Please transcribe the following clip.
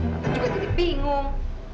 tante juga jadi bingung